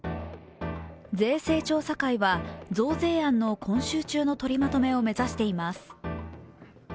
税制調査会は増税案の今週中の取りまとめを目指しています。